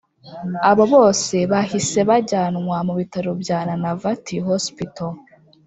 aba bose bahise bajyanwa mu bitaro bya nanavati hospital